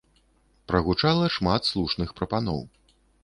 Прагучала шмат слушных прапаноў.